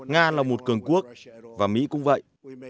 nga là một cường quốc và mỹ cũng vậy